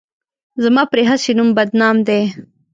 زما پرې هسې نوم بدنام دی.